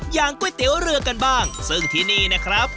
ก๋วยเตี๋ยวเรือกันบ้างซึ่งที่นี่นะครับ